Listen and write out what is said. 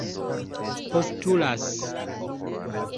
postulas